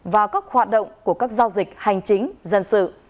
và các hoạt động của các giao dịch hành chính dân sự